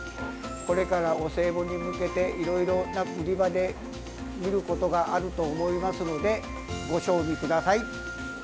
これからお歳暮に向けていろいろな売り場で見ることがあると思いますのでご賞味ください。